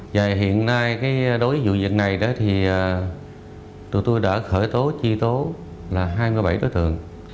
và hiện nay đối với vụ dịch này đó thì tụi tôi đã khởi tố chi tố là hai mươi bảy đối tượng